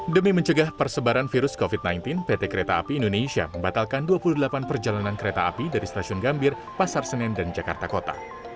demi mencegah persebaran virus covid sembilan belas pt kereta api indonesia membatalkan dua puluh delapan perjalanan kereta api dari stasiun gambir pasar senen dan jakarta kota